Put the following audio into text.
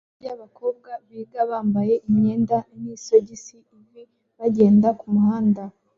Itsinda ryabakobwa biga bambaye imyenda nisogisi ivi bagenda kumuhanda